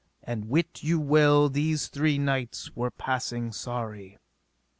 And wit you well these three knights were passing sorry.